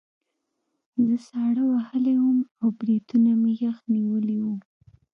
زه ساړه وهلی وم او بریتونه مې یخ نیولي وو